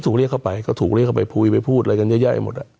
ถูกเรียกเข้าไปก็ถูกเรียกเข้าไป